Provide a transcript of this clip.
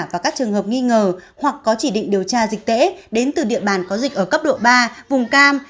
và các trường hợp nghi ngờ hoặc có chỉ định điều tra dịch tễ đến từ địa bàn có dịch ở cấp độ ba vùng cam